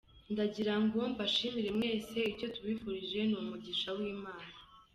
Ndagira ngo mbashimire mwese, icyo tubifurije ni umugisha w’Imana.